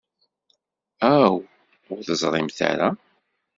Aw, ur teẓrimt ara?